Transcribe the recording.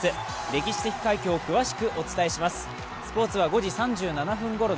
歴史的快挙を詳しくお伝えします。